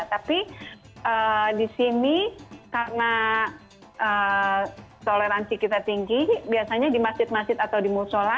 tapi di sini karena toleransi kita tinggi biasanya di masjid masjid atau di musola